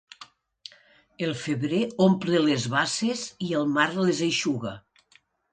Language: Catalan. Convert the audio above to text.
El febrer omple les basses i el març les eixuga.